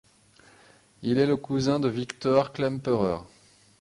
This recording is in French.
Il est le cousin de Victor Klemperer.